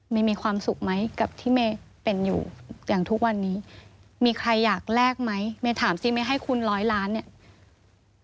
มีความสุขไหมกับที่เมย์เป็นอยู่อย่างทุกวันนี้มีใครอยากแลกไหมเมย์ถามสิเมย์ให้คุณร้อยล้านเนี่ย